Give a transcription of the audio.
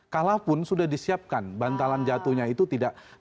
kalaupun sudah disiapkan bantalan jatuhnya itu tidak